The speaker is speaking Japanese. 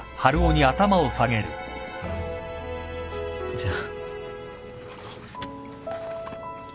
じゃあ。